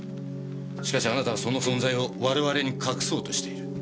しかしあなたはその存在を我々に隠そうとしている。